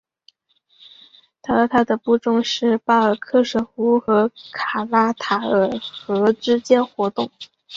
他和他的部众是巴尔喀什湖和卡拉塔尔河之间活动。